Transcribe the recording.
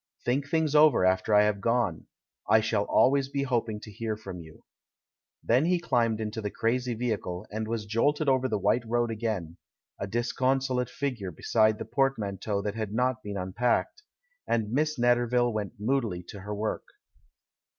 Think things over after I have gone — I shall always be hoping to hear from you." Then he climbed into the crazy vehicle, and was jolted over the white road again — a disconsolate figure beside the portmanteau that had not been unpacked — and Miss Netter ville went moodily to her work.